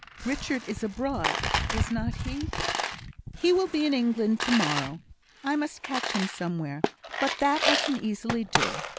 "Richard is abroad, is not he?" "He will be in England to morrow. I must catch him somewhere; but that I can easily do.